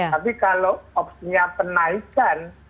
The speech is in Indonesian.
tapi kalau opsinya penaikan